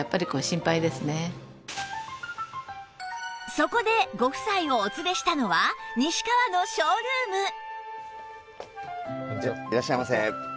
そこでご夫妻をお連れしたのは西川のショールームいらっしゃいませ。